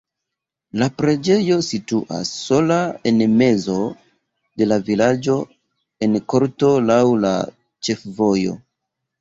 La preĝejo situas sola en mezo de la vilaĝo en korto laŭ la ĉefvojo.